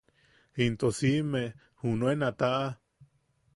Into siʼime junen a taʼa.